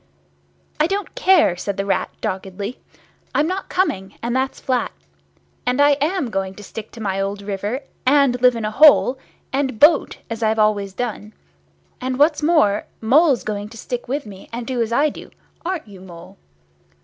"I don't care," said the Rat, doggedly. "I'm not coming, and that's flat. And I am going to stick to my old river, and live in a hole, and boat, as I've always done. And what's more, Mole's going to stick to me and do as I do, aren't you, Mole?"